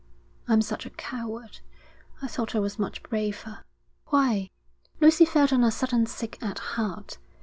I'm such a coward. I thought I was much braver.' 'Why?' Lucy felt on a sudden sick at heart.